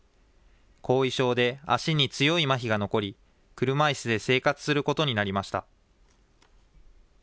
後遺症で足に強いまひが残り、車いすで生活することになりました。